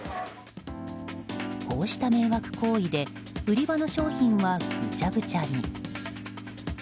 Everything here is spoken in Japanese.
こうした迷惑行為で売り場の商品はぐちゃぐちゃに。